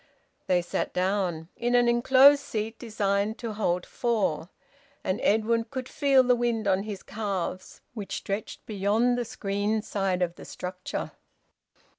They sat down, in an enclosed seat designed to hold four. And Edwin could feel the wind on his calves, which stretched beyond the screened side of the structure.